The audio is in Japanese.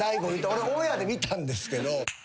俺オンエアで見たんですけど。